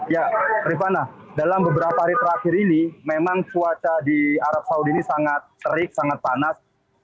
ya rifana dalam beberapa hari terakhir ini memang cuaca di arab saudi ini sangat terik sangat panas